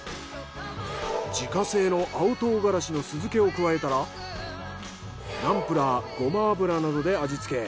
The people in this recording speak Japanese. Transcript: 自家製の青唐辛子の酢漬けを加えたらナンプラーごま油などで味付け。